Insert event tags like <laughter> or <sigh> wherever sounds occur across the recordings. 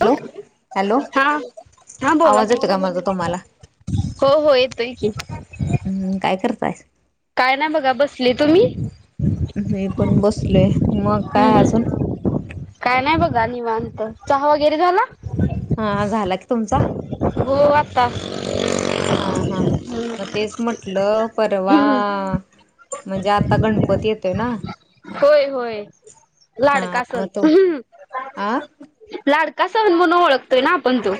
Hello hello हा हा बोला आवाज की, येतो का माझा तुम्हाला हो हो येतोय की, हम्म काय करताय काय ना बघा बसले. तुम्ही? मी पण बसलोय. मग काय अजून, हम्म काय नाही बघा निवांत. चहा वगैरे झाला? हा, झाला की तुमचा? हो आता हा हा मग तेच म्हटलं. परवा, हम्म म्हणजे आता गणपती येतोय ना. होय होय हा लाडका सण. मग तो आ लाडका सण म्हणून ओळखतोय ना आपण तो.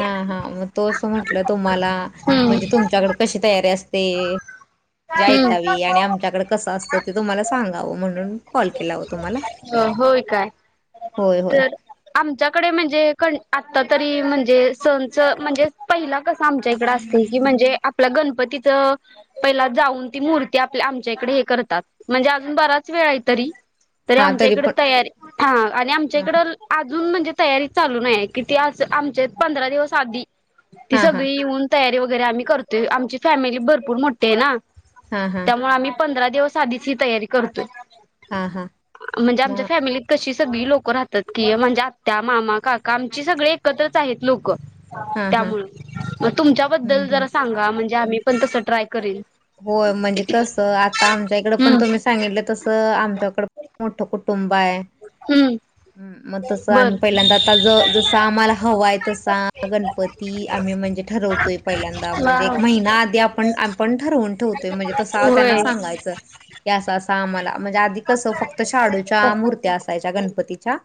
हा हां मग तो अस म्हटलं तुम्हाला हम्म म्हणजे तुमच्याकडे कशी तयारी असते. म्हणजे ऐकावी हम्म आणि आमच्याकडे कसं असतं ते तुम्हाला सांगावं. म्हणून कॉल केला होता. तुम्हाला, होय काय होय होय तर आमच्याकडे म्हणजे, आता तरी म्हणजे सणच म्हणजे पहिला कस आमच्या इकड असते की म्हणजे आपल्याकडे गणपतीच पहिला जाऊन ती मूर्ती आपल्या आमच्या इकडे हे करतात म्हणजे अजून बराच वे आहे तरी तरी हा आमच्या इकड पण तयारी ह आणि आमच्या इकड. अजून म्हणजे तयारी चालू नाहीय किती आमच्या पंधरा दिवस आधी. ती हा हा हा सगळी येऊन तयारी वगैरे आम्ही करतोय आमची फॅमिली भरपूर मोठी आहे ना. हा हा त्यामुळे आम्ही पंधरा दिवस आधीच ही तयारी करतो. हा हा म्हणजे आमच्या मग फॅमिलीत कशीच. सगळी लोकं राहतात की, म्हणजे आ्या, मामा, काका आमची सगळे एकत्रच आहेत लोक. हा हा त्यामुळे मग हम्म तुमच्याबद्दल हम्म. जरा सांगा म्हणजे आम्ही पण तस ट्राय करीन होय म्हणजे कसं आता आमच्या इकड पण हम्म तुम्ही सांगितलं तसं आमच्याकड मोठ कुटुंब. बाय. हम्म हम् मग तस बर आम्ही पहिल्यांदा आता ज जस आम्हाला हवा आहे तसा गणपती. आम्ही म्हणजे ठरवतोय पहिल्यांदा वा म्हणजे एक महिना आधी आपण आपण. पण ठेवतोय म्हंजे तस् त्यान होय सांगायच की, असं असं. आम्हाला म्हणजे आधी कसं फक्त शाडूच्या मूर्त्या असायच्या गणपतीच्या.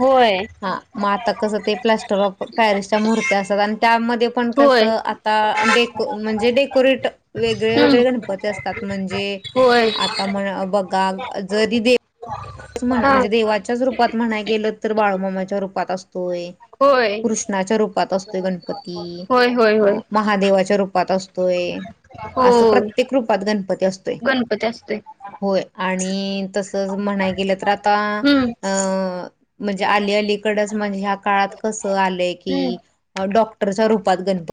होय हा मग आता कस ते प्लस्टर ऑफ पॅरिसच्या महूर्त्या असत आणि त्यामध्ये. आपण कस होय आता डेको म्हणजे डेकोरेट. वेगळे हम्म वेगळे गणपती असतात म्हणजे होय आता म बघा जरी दे म्ह हा म्हणजे देवाच्याच रूपात म्हणाय गेलं तर बाळूमामाच्या रूपात असत. होय होय कृष्णाच्या रूपात असतोय गणपती होय होय होय अ महादेवाच्या रूप रूपात असतोय हो असं प्रत्येक रूपात गणपती असतोय. गणपती असतोय होय आणि. आणि तसच म्हणाय गेलं तर आता हम्म अ म्हणजे आली अलीकडच. म्हणजे ह्या काळात कस आलंय की हम्म डॉक्टरच्या रूपात गणपती.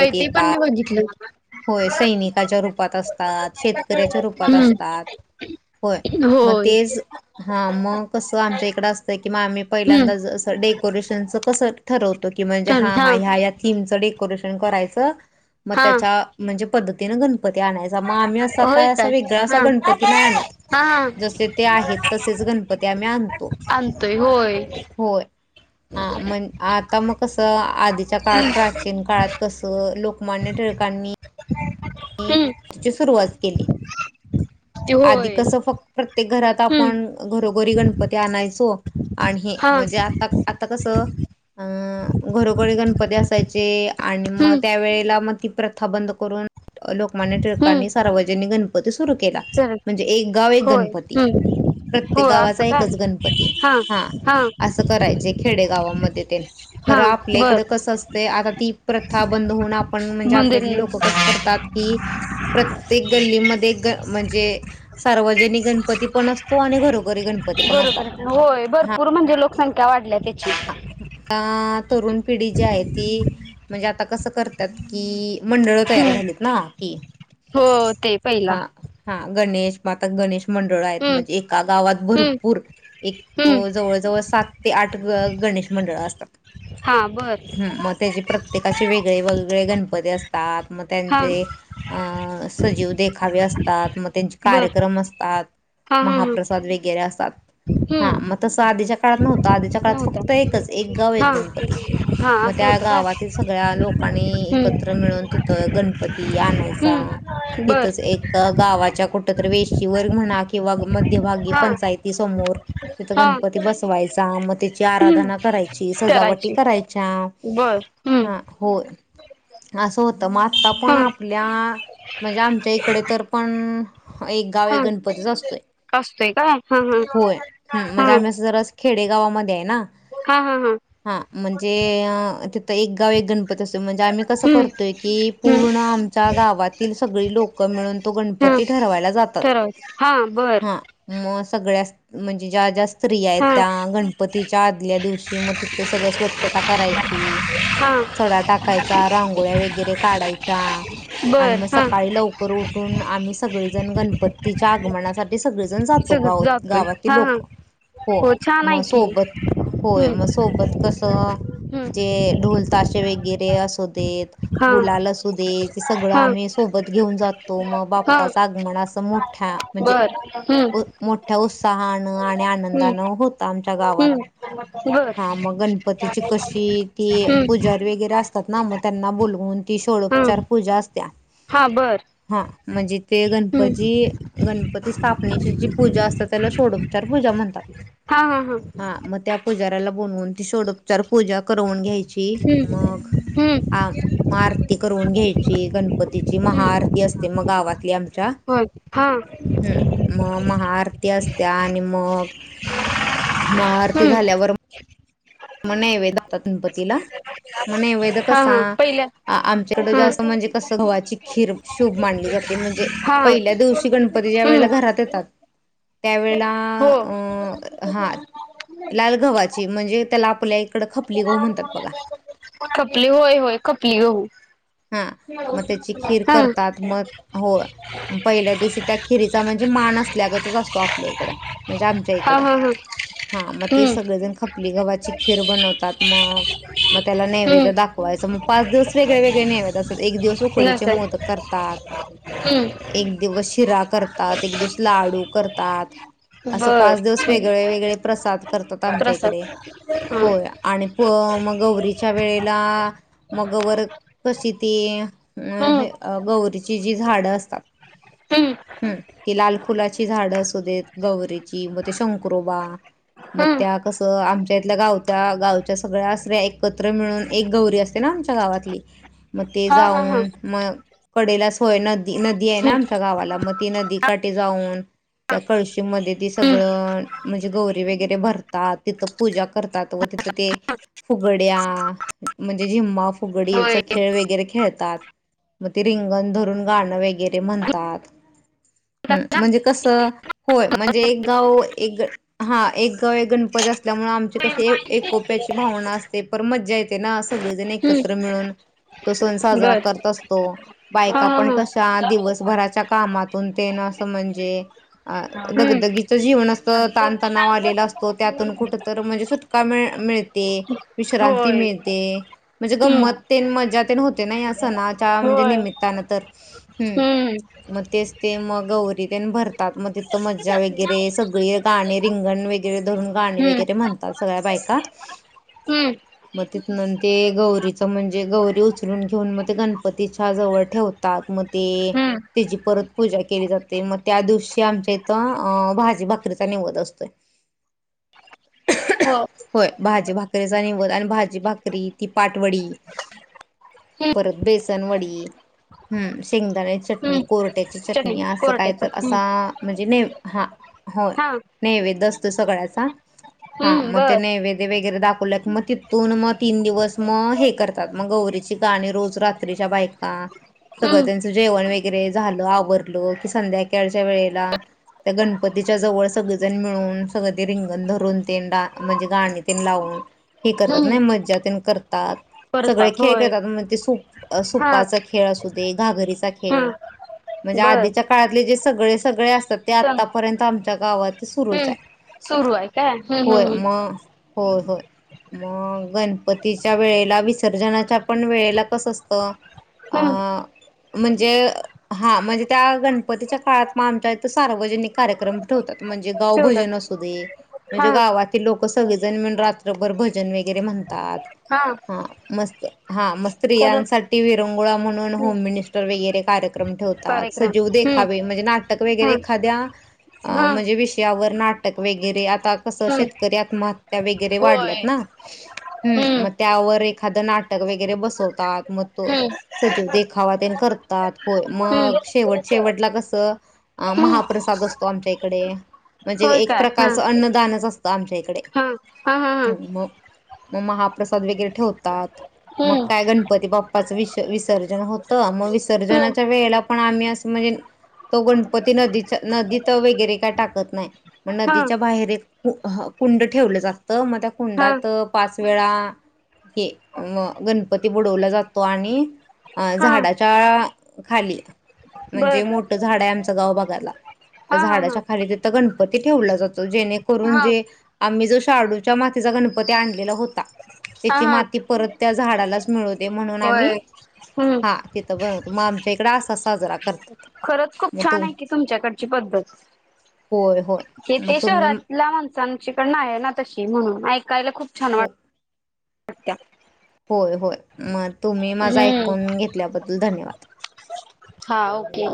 म ते पण येतात मी बघितलं होय सैनिकाच्या रूपात अस तात शेतकऱ्याच्या रूपात हम्म असतात होय मग होय तेच हा. कसं आमच्या इकड असतं किंवा आम्ही हम्म पहिल्यांदा ज स डेकोरेशनच कसं ठरव म् <unintelligible> हण चल ह हा ह थम डेकोरेशन करायच मग हा त्या म्हणजे पद्धतीने ना गण ते आणाय मग आम्ही अस होय का अस काय वेगळा हा गणपती नाही आणत हा हा जसे ते आहेत तसेच. गणपती आम्ही आणतो. आणतोय होय. होय हा मण आता मग कसं आधीच्या काळात प्राचीन काळात कसं. क लोकमान्य ठळकांनी. हम्म तिची सुरवात केली ती आधी होय कस फक्त ते घरात हम्म आपण घरोघरी गणपती आणायचो. आणि हे हा म्हणजे आता आता कसं अं घरोघरी गणपती असायचे. चे आणि मग हम्म त्या वळेला मग ती प्रथा बंद करून. लोकमान्य हम्म टिळकांणी सार्वजनिक गणपती सु सुरू केला चल म्हणजे एक गाव एक होय गणपती. हम्म प्रत्येक होय असं गावाचा काय एकच गणपती हा असं करायचे खेडे गावामध्ये ते. हा खरं आपल्या इकड बर कसं असते, आता ती प्रथा बंद होऊन आपण म्हणजे आपल्या मंदिर लोक कसं करतात. <unintelligible> प्र ग म्हण नी गणपती पण असतो आणि घरोघरी गणपती पण असतात बरोबर होय हा. भरपूर म्हणजे लोकसंख्या वाढल्या त्याची. आता तरुण पिढी जी आहे, ती म्हणजे आता कसं करतात की. मंडळ तयार हम्म झालीत ना ती हो ते पहिला हा हा गणेश म आता गणेश मंडळ आहेत, हम्म म्हणजे एका गावात हम्म भरपूर एक हम्म जवळजवळ सात ते आठ ग गणेश मंडळ असतात हा बर ह मग त्याची प्रत्येकाचे वेगळे वेगळे गणपती असतात. मग हा त्यांचे अं सजीव देखावे असतात मग त्यांचे बर कार्यक्रम असतात. हा हा हा महाप्रसाद वगैरे असतात हा हम्म मग तसं आधीच्या काळात नव्हतं आधीच्या काळात फक्त नव्हता तर एकच एक गाव एक हा गणपती हा मग असं त्या होतं काय गावातील सगळ्या लोकांनी एकत्र हम्म मिळून तिथ गणपती आणायचा हम्म बर तिथच एक गावाच्या कुठ वेची वर्ग म्ह ि मभी हा पंचाती समो तथ हा गणपती बसय मग आराधना करायची सजावटी करायची करायच्या बर हम्म हा होय असं होत तर मग आता हा पण आपल्या म्हणजे आमच्या इकडे तर पण एक गाव एक हा गणपतीच असतोय असतोय का हा हा होय ह हा म्हणजे आम्ही असं जरा खेडेगावामध्ये आहे ना हा हा हा हा म्हणजे तिथं एक गाव एक गणपती असत म्हणजे आम्ही कसं करतोय की हम्म पूर्ण आमच्या गावातील सगळी लोकं मिळून तो हा गणपती ठरवायला जातात ठरव हा बर हा मग सगळ्या म्हणजे ज्या ज्या स्त्री आहेत हा त्या गणपतीच्या ल्या दिवशी मग तिथ सगळं स्वच्छता करायची हा चडा टाकायचा रांगोळ्या वगैरे काढायच्या आणि बर मग हा सकाळी लवकर उठून आम्ही सगळेजण गणपती तिच्या आगमनासाठी सगळेजण जातो सगळं गाव जातोय गावातील हा हा लोक हो छान म आहे की सोबत होय मग हम्म सोबत कस जे हम्म ढोल ताशे वगैरे असू देत हा मुला अस दे ते सगळं हा आम्ही सोबत घेऊन जातो तो मग हा बाप्पाच आगमन असं मोठ्या म्हणजे बर हम्म मोठ्या उत्साहानं आणि हम्म आनंदान होत आमच्या गावात हम्म बर हा मग गणपतीची कशी ती हम्म पुजारी वगैरे असतात ना मग त्यांना बोल हा त्यातपचार पूजा असत्या हा बर हा म्हणजे ते गणपती हम्म गणपती स्थापनेची जी पूजा असतात त्याला ोडोपचार पूजा ज म्हणता हा हा हा पुजाराला बनवून ती सोडोपचार पूजा करवून घ्यायची म हम्म हम्म मग आरती करून घ्यायची गणपती ची हम्म महाआरती असते मग गावात आमच्या होय हा ह मग महाआरती असत्या आणि मग महा आरती हम्म झाल्यावर म्ह नाही वदा ततनपतीला मण वैद हा कसा हा पहिल्या आमच्याकड जं हम्म म्हणजे कस गव्हाची खीर शुभ मांडली जात म्हणजे हा पहिल्या दिवशी गणपती ज्या वेळेला हम्म घरात येतात त्यावेेळेला हो अ हा लाल गवा्हाची म्हणजे त्याला आपल्या इकडं खपली गहू म्हणतात बघा खपली होय होय खपली गहू हा मग त्याची खीर हा करतात मग हो पहिल्या दिवशी त्या खिरीचा म्हण मानल्याच असतो आपल्या इकड म्हणजे आमच्या हा इकड हा हा हा मग ते हम्म सगळेजण खपली गव्हाची खीर बनवत मग मग त्याला नैवेद हम्म दाखवायच मग पाच दिवस वेगळे वगळे नेवेत असतात एक दिवस उकडीचे लसण मोदक करतात हम्म एक दिवस शिरा करतात एक दिवस लाडू करतात असं पाच बर दिवस वेगळे वेगळे प्रसाद करतात आमच्या इकडे प्रसाद हा होया आणि प मगवररीच्या वेळेला मगवर कशी ती अ हम्म हे गौरीची जी झाडं असतात हम्म हम् ती लाल फुलाची झाडं असू देत गवरेची मग ते शंकरोबा. मग हम्म त्या कस आमच्या इथल्या गाव गावच्या सगळ्या असऱ्या एकत्र मिळून एक गौरी असते ना आमच्या गावातली मग ते हा हा हा जाऊन मग कडेला सोय नदी नदी आहे ना हम्म आमच्या गावाला मग तेी नदी काढ ऊ हा त्या कशी सग हम्म म्हणजे गरी वगरे भ तिथ पूजा करतात व तिथ ते फुगड्या म्हणजे जि् फुगडी होय खेळ वगरे खेळतात मग ते रिंगण धरून गाणंगर ते म्हणतात हम् म्हणजे कसं होय म्हणजे एक गाव एक हा एक गाव गणपती असल्यामुळे आमचे कशी एकोप्याची भावना असते पण मज्जा येते ना सगळेजण हम्म एकत्र मिळून तो सण साजरा बर करत असतो हा बायका पण हा कशा हा दिवसभराच्या कामातून ते असं म्हणजे अ हम्म दगदगीचं जीवन असतं ताणतणाव आलेला असतो त्यातून कुठ तर म्हणजे सुटका मि विश्र होय मि हम्म म्हण ग या सणा म्हण होय निमितन हम्म ते मग गौरी त्यां भरतात मग मज्जा वगैरे सगळे गाणे रिंगण वगैरे धरून गाणे हम्म वगैरे म्हणतात सगळ्या बायका हम्म मग तिथन ते गौरीच म्हणजे गौरी उचलून घेऊन मग ते गणपतीच्या जवळ ठेवतात मग ते हम्म त्याची परत पूजा केली जाते मग त्या दिवशी आमच्या इथं अ भाजी भाकरीचा निवध असतोय हो <inaudible> होय भाजी भाकरीचा निवद आणि भाजी भाकरी ती पाटवडी हम्म परत बेसनवडी, हम्म शेंगदाण्याची चटणी, हम्म कोरट्याची चटणी असं काय कोरट्याच तर हम्म असा म्हणजे ने हा होय. हा नैवेद असतो सगळ्याचा हा हम्म मग ते बर नैवेद्य वगैरे दाखव मग तिथून मग तीन दिवस मग हे करतात मग गौरी गाणं रोज रात्रीच्या बायका, सगळं हम्म त्यांचं जेवण वैगरे झालं आवरलं की, संध्याकाळच्या वेळेला त्या गणपतीच्या जवळ सगळेजण मिळून सगळं ते रिंगण धरून ते डा म्हणजे गाणी ते लावून हे करतात, हम्म नाही मज्जातन करतात सगळे करतात खेळ होय खेळतात म्ह ते सु हा सुप्पाचा खेळ असू दे घागरीचा खेळ हम्म म्हणजे बर आधीच्या काळातले, जे सगळे सगळे अस ते चल आतापर्यंत आमच्या गावात सुरूच हम्म आहे. सुरू आहे काय हम्म होय हम्म म हो होय. मग गणपतीच्या वेळेला विसर्जनाच्या पण वेळेला कसं असतं आ हम्म हम्म म्हणजे हा म्हणजे त्या गणपतीच्या काळात मं आमच्या इथं सार्वजनिक कार्यक्रम ठेवतो. म्हणजे गाव भजन ठेवतात असू दे, हा म्हणजे गावातील लोक सगळेजण मिळून रात्रभर भजन वगैरे म्हणतात. हा मस्त हा मग स्त्रियांसाठी विरंगुळा म्हणून, हम्म होम मिनिस्टर वगैरे कार्यक्रम ठेवतात. कार्यक्रम सजीव दे हम्म हा बई म्हणजे नाटक हा वैगरे एखाद्या हा म्हणजे विषयावर नाटक वैगरे कसं हम्म शेतकरी आत्महत्या वै गरे वाढल्यात होय ना, हम्म मग त्यावर एखादं नाटक वगैरे बसवतात, मग तो हम्म सजीव <unintelligible> मग शेवट हम्म शेवटला कसं हम्म महाप्रसाद असतो आमंच्या इकडे म्हणजे होय एक काय हा प्रकारचं अन्नदानच असतं आमच्या इकडे. हा हा हा हा हं मग मग महाप्रसाद वगैरे ठेवतात. मग हम्म काय गणपती बाप् पाच विसर्जन होत मग हम्म विसर्जनाच्या वेळेला पण आम्ही असं म्हणजे तो गणपती नदीचा नदीत वगैरे काय टाकत नाही. मग हा नदीच्या बाहेर कुंड ठेवले जास्त, म त्या हा कुंडात पाच वेळा हे म गणपती बुडवला जातो आणि अं हा झाडाच्या खाली म्हणजे बर मोठं झाड आहे आमच्या गाव बघायला. तर हा हा हा झाडाच्या खाली तिथं गणपती ठेवला जातो, जेणेकरून हा जे आम्ही जो शाडूच्या मातीचा गणपती आणलेला होता हा त्याची हा माती परत त्या झाडालाच मिळ म्हणून आम्ही होय हम्म हा तिथं बनवतो, मग आमच्या इकडे असा साजरा कर खरंच खूप छान आहे की तुमच्याकडची पद्धत. होय होय हे मग ते तुम्ही शहरातल्या माणसांच्याकडन आहे ना तशी म्हणून ऐकायला खूप छानवा होय होय मग तुम्ही माझा हम्म ऐकून घेतल्याबद्दल धन्यवाद. हा ओके.